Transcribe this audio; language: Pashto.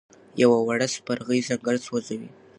یوه وړه سپرغۍ ځنګل سوځوي.